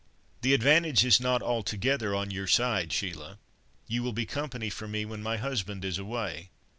"The advantage is not altogether on your side, Sheila. You will be company for me when my husband is away.